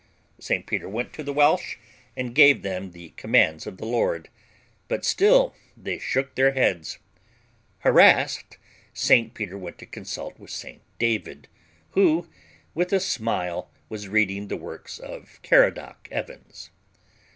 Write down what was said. St. Peter went to the Welsh and gave them the commands of the Lord. But still they shook their heads. Harassed, St. Peter went to consult with St. David, who, with a smile, was reading the works of Caradoc Evans.